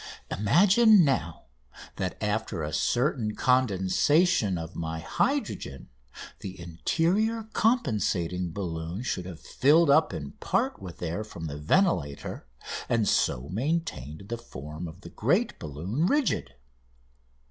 Imagine, now, that after a certain condensation of my hydrogen the interior compensating balloon should have filled up in part with air from the ventilator and so maintained the form of the great balloon rigid.